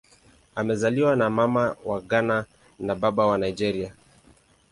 Amezaliwa na Mama wa Ghana na Baba wa Nigeria.